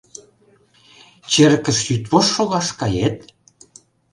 Черкыш йӱдвошт шогаш кает?